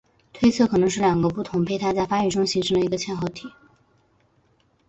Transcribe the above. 推测可能是两个不同胚胎在发育中形成一个嵌合体。